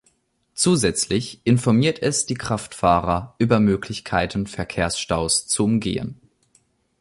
Zusätzlich informiert es die Kraftfahrer über Möglichkeiten Verkehrsstaus zu umgehen.